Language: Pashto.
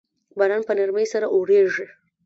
باران په نرمۍ سره اوریږي